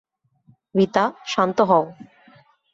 রিতা, শান্ত হও।